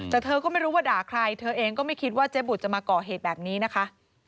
แต่เธอก็ไม่รู้ว่าด่าใครเธอเองก็ไม่คิดว่าเจ๊บุตรจะมาก่อเหตุแบบนี้นะคะ